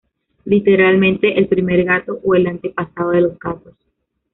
Literalmente 'el primer gato', o 'el antepasado de los gatos'.